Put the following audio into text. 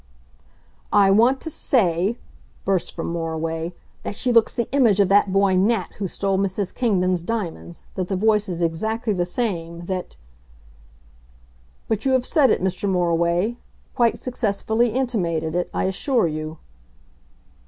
"I want to say," burst from Moriway, "that she looks the image of the boy Nat, who stole Mrs. Kingdon's diamonds, that the voice is exactly the same, that " "But you have said it, Mr. Moriway quite successfully intimated it, I assure you."